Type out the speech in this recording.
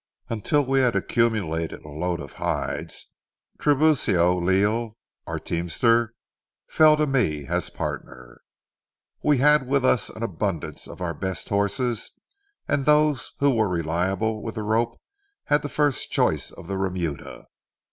Until we had accumulated a load of hides, Tiburcio Leal, our teamster, fell to me as partner. We had with us an abundance of our best horses, and those who were reliable with the rope had first choice of the remuda.